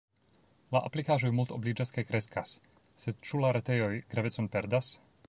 La aplikaĵoj multobliĝas kaj kreskas, sed ĉu la retejoj gravecon perdas?